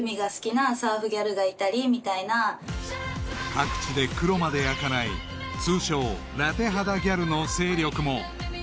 ［各地で黒まで焼かない通称ラテ肌ギャルの勢力も］